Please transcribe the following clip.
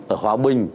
ở hòa bình